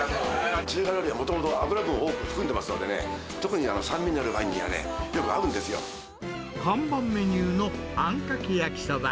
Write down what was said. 中華料理はもともと油分多く含んでますのでね、特に酸味のあるワインにはね、よく合うんです看板メニューのあんかけ焼きそば。